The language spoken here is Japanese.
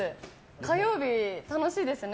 火曜日、楽しいですよね。